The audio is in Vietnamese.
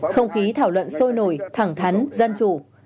không khí thảo luận sôi nổi thẳng thắn dân chủ